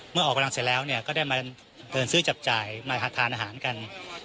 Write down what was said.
ออกกำลังเสร็จแล้วก็ได้มาเดินซื้อจับจ่ายมาหาทานอาหารกัน